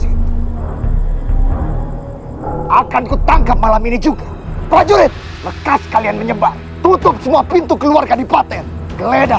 tmusin akan kutangkap malam ini juga prajurit lekas kalian menyebar tutup semua pintu keluarga di paten geledah